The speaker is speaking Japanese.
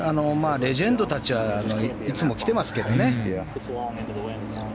レジェンドたちはいつも来てますけどね。